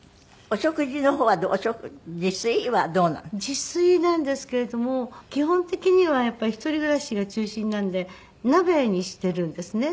自炊なんですけれども基本的にはやっぱり一人暮らしが中心なんで鍋にしているんですね。